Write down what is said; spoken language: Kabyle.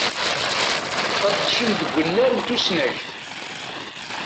Qedcen deg unnar n tusnakt.